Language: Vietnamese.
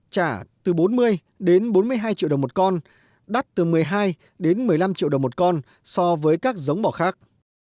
trả từ bốn mươi đến bốn mươi hai triệu đồng một con đắt từ một mươi hai đến một mươi năm triệu đồng một con so với các giống bò khác